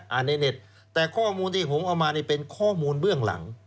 ในเน็ตแต่ข้อมูลที่ผมเอามานี่เป็นข้อมูลเบื้องหลัง